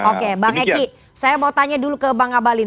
oke bang eki saya mau tanya dulu ke bang abalin